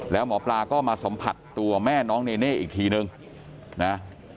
แล้วหมอปลาก็มาสัมผัสตัวแม่น้องเนเน่อีกทีนึงนะ